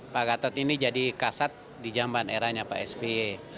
pak gatot ini jadi kasat di jamban eranya pak sby